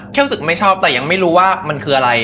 รู้สึกไม่ชอบแต่ยังไม่รู้ว่ามันคืออะไร